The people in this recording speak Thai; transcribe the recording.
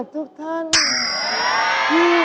อาหารการกิน